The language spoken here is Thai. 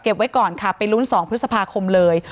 ไว้ก่อนค่ะไปลุ้น๒พฤษภาคมเลย